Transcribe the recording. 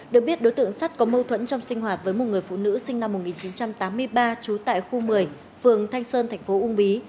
được biết đối tượng sắt có mâu thuẫn trong sinh hoạt với một người phụ nữ sinh năm một nghìn chín trăm tám mươi ba trú tại khu một mươi phường thanh sơn thành phố uông bí